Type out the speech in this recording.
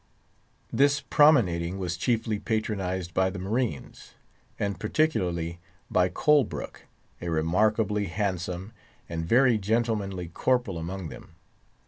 This promenading was chiefly patronised by the marines, and particularly by Colbrook, a remarkably handsome and very gentlemanly corporal among them.